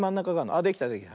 あっできたできた。